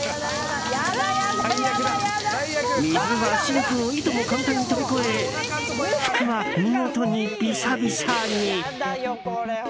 水は、シンクをいとも簡単に飛び越え服は見事にビシャビシャに。